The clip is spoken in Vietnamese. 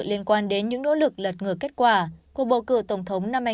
liên quan đến những nỗ lực lật ngược kết quả cuộc bầu cử tổng thống năm hai nghìn hai mươi